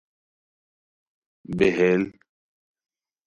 بیہیل